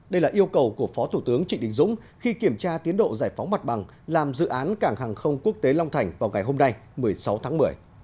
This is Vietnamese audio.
đây là yêu cầu của phó thủ tướng trịnh đình dũng khi kiểm tra tiến độ giải phóng mặt bằng làm dự án cảng hàng không quốc tế long thành vào ngày hôm nay một mươi sáu tháng một mươi